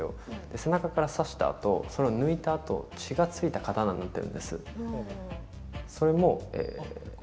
背中から刺したあと、抜いたあと血が付いた刀になってるんです。